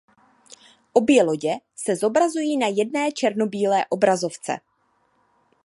Obě lodě se zobrazují na jedné černobílé obrazovce.